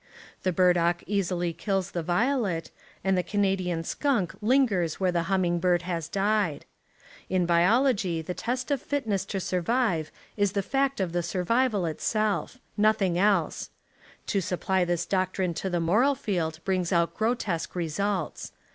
The burdock easily kills the violet, and the Canadian skunk lingers where the humming bird has died. In biology the test of fitness to survive is the fact of the survival itself —■ nothing else. To apply this doctrine to the moral field brings out grotesque results.